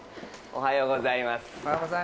おはようございます。